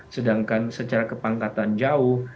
sedangkan secara kepangkatan jauh